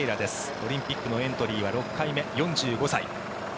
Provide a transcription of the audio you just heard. オリンピックのエントリーは６回目、４５歳。